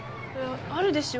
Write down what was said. あるでしょ。